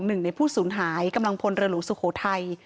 หนึ่งในผู้สูญหายกำลังพลเรือหลวงสุโขทัย